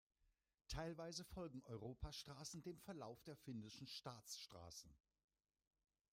Teilweise folgen Europastraßen dem Verlauf der finnischen Staatsstraßen.